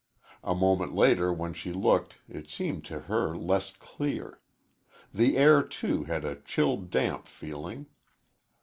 A moment later when she looked it seemed to her less clear. The air, too, had a chill damp feeling.